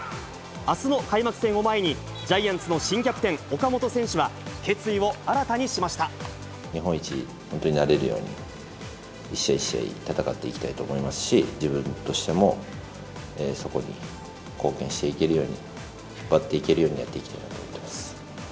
あすの開幕戦を前に、ジャイアンツの新キャプテン、岡本選手は、決意を新たにしまし日本一、本当になれるように、一試合一試合、戦っていきたいと思いますし、自分としても、そこに貢献していけるように、引っ張っていけるようにやっていきたいなと思ってます。